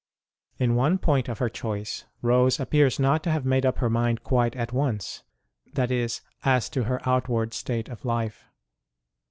In one point of her choice Rose appears not to have made up her mind quite at once ; i.e., as to her outward state of life.